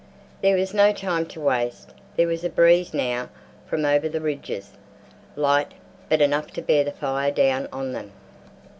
There was no time to waste; there was a breeze now from over the ridges, light, but enough to bear the fire down on them.